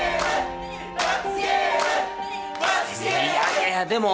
いやいやでも。